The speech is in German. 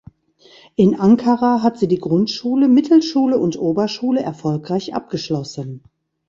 In Ankara hat sie die Grundschule, Mittelschule und Oberschule erfolgreich abgeschlossen.